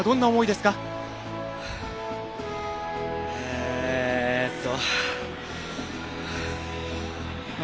えっと。